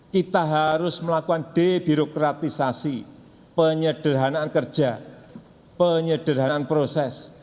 kita harus melakukan debirokratisasi penyederhanaan kerja penyederhanaan proses